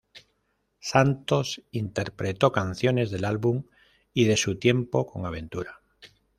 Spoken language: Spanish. Santos interpretó canciones del álbum y de su tiempo con Aventura.